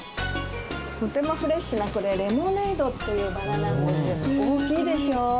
とてもフレッシュなこれレモネードっていうバラなんですよ。